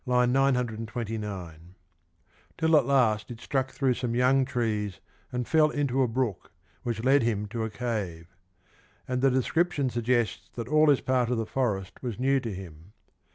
929), till at last it struck through some young trees and fell into a brook, which led him to a cave ; and the description suggests that all this part of the forest was new to him.